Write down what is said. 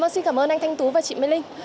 xin cảm ơn anh thanh tú và chị mỹ linh